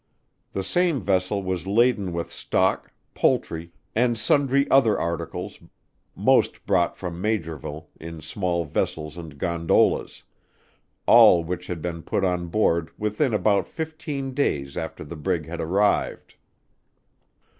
The same vessel was laden with stock, poultry, and sundry other articles most brought from Maugerville in small vessels and gondolas: all which had been put on board within about fifteen days after the brig had arrived.